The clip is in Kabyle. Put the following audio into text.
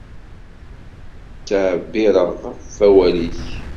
Ttɛebbiṛeɣ ɣef wawal-ik.